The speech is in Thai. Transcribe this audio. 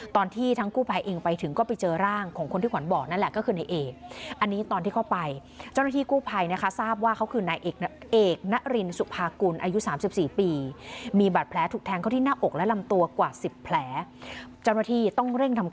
ตอนที่ทั้งกู้ไพยเองไปถึงก็ไปเจอร่าง